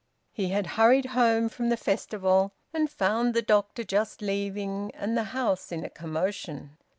He had hurried home from the festival, and found the doctor just leaving and the house in a commotion.